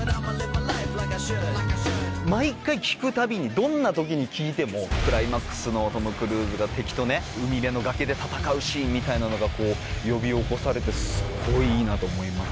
どんな時に聴いてもクライマックスのトム・クルーズが敵とね海辺の崖で戦うシーンみたいなのが呼び起こされてすっごいいいなと思います。